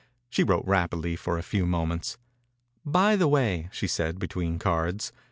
She wrote rapidly for a few moments. « By the way," she said, between cards.